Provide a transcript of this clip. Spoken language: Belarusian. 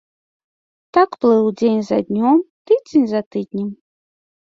Так плыў дзень за днём, тыдзень за тыднем.